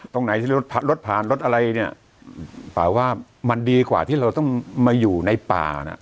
ตรงไหนที่รถรถผ่านรถอะไรเนี่ยป่าว่ามันดีกว่าที่เราต้องมาอยู่ในป่าน่ะ